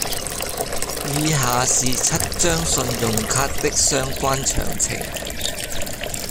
以下是七張信用卡的相關詳情